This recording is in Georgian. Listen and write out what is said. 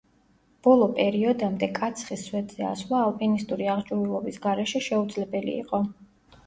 ბოლო პერიოდამდე კაცხის სვეტზე ასვლა ალპინისტური აღჭურვილობის გარეშე, შეუძლებელი იყო.